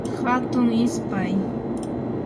hatun ispay